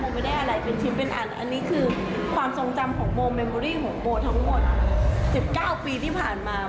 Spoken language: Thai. ไม่ได้อะไรเป็นชิ้นเป็นอันอันนี้คือความทรงจำของโมเมอรี่ของโบทั้งหมด๑๙ปีที่ผ่านมา